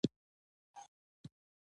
دولتي ګټې غریبانو ته اړوند دي.